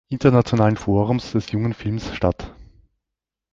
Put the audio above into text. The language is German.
Internationalen Forums des Jungen Films statt.